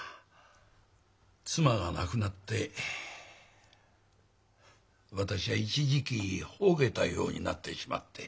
妻が亡くなって私は一時期ほうけたようになってしまって。